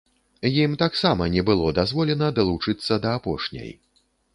Ім таксама не было дазволена далучыцца да апошняй.